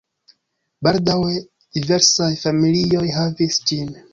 Baldaŭe diversaj familioj havis ĝin.